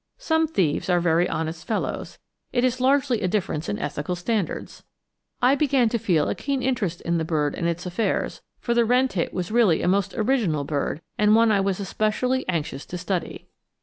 Some thieves are very honest fellows; it is largely a difference in ethical standards! I began to feel a keen interest in the bird and its affairs, for the wren tit was really a most original bird, and one I was especially anxious to study.